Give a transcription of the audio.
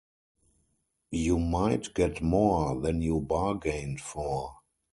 You might get more than you bargained for.